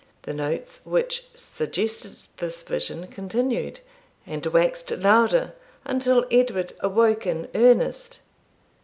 The notes which suggested this vision continued, and waxed louder, until Edward awoke in earnest.